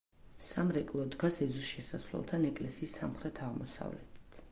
სამრეკლო დგას ეზოს შესასვლელთან, ეკლესიის სამხრეთ-აღმოსავლეთით.